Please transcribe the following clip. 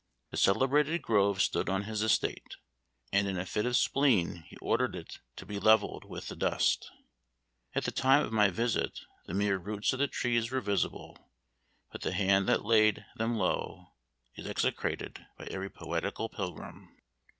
The celebrated grove stood on his estate, and in a fit of spleen he ordered it to be levelled with the dust. At the time of my visit the mere roots of the trees were visible; but the hand that laid them low is execrated by every poetical pilgrim.